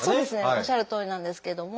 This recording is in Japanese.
おっしゃるとおりなんですけども。